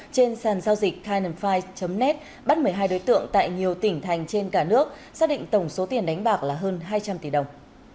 trên sàn giao dịch tynanfy net bắt một mươi hai đối tượng tại nhiều tỉnh thành trên cả nước xác định tổng số tiền đánh bạc là hơn hai trăm linh tỷ đồng